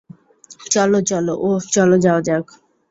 চলো চলো -ওহ -চলো যাওয়া যাক।